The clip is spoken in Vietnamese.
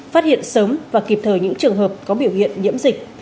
phát hiện sớm và kịp thời những trường hợp có biểu hiện nhiễm dịch